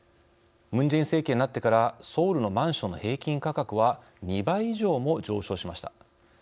ムン・ジェイン政権になってからソウルのマンションの平均価格は２倍以上も上昇しました。